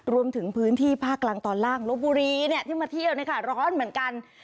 รวมถึงพื้นที่ภาคกลางตอนล่างลบบุรีที่มาเที่ยวร้อนเหมือนกัน